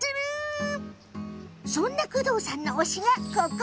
そんな工藤さんの推しが、ここ。